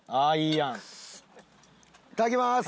いただきます。